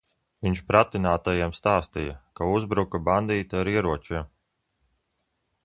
Viņš pratinātājiem stāstīja, ka uzbruka bandīti ar ieročiem.